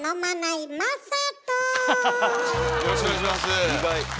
よろしくお願いします。